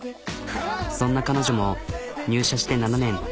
そんな彼女も入社して７年。